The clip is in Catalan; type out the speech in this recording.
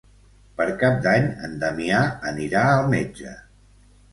Per Cap d'Any en Damià anirà al metge.